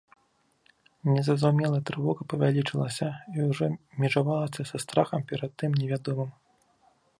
Незразумелая трывога павялічылася і ўжо межавалася са страхам перад тым невядомым.